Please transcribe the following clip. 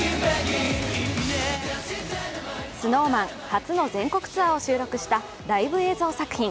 ＳｎｏｗＭａｎ初の全国ツアーを収録したライブ映像